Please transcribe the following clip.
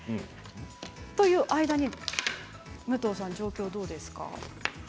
という間に武藤さん状況はどうですか？